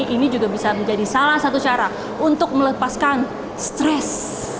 ini juga bisa menjadi salah satu cara untuk melepaskan stres